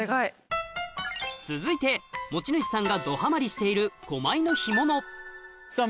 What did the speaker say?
続いて持ち主さんがどハマりしているさぁ